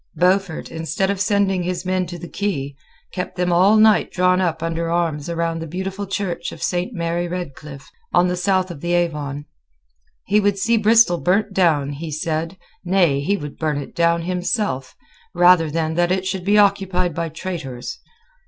Beaufort, instead of sending his men to the quay, kept them all night drawn up under arms round the beautiful church of Saint Mary Redcliff, on the south of the Avon. He would see Bristol burnt down, he said, nay, he would burn it down himself, rather than that it should be occupied by traitors.